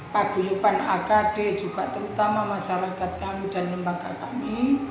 paguyupan akd juga terutama masyarakat kami dan lembaga kami